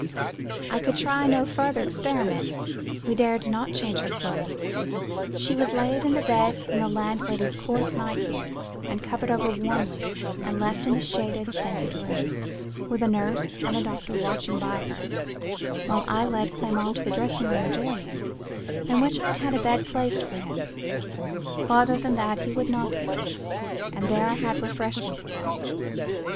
I could not try any farther experiment; we dared not change her clothes; she was laid in the bed in the landlady's coarse night gear, and covered over warmly, and left in the shaded, scented room, with a nurse and the doctor watching by her, while I led Clement to the dressing room adjoining, in which I had had a bed placed for him. Farther than that he would not go; and there I had refreshments brought.